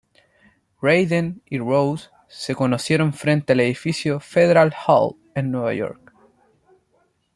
Raiden y Rose se conocieron frente el edificio Federal Hall en Nueva York.